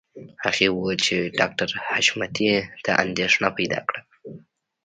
هغې وویل چې ډاکټر حشمتي ته اندېښنه پیدا کړه